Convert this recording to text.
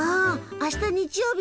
あした日曜日。